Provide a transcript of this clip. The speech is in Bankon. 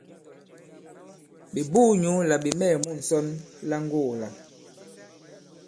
Ɓè buū nyǔ là ɓè mɛɛ̀ mu ŋsɔn la ŋgogō-la.